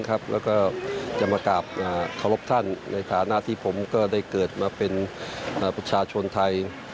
แล้วก็จะมากราบเคารพท่านในฐานะที่ผมก็ได้เกิดมาเป็นประชาชนไทย